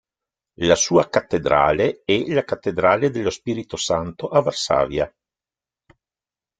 La sua Cattedrale è la Cattedrale dello Spirito Santo a Varsavia.